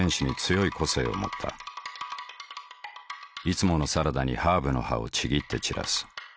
いつものサラダにハーブの葉をちぎって散らす。